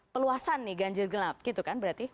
peluasan nih ganjil genap gitu kan berarti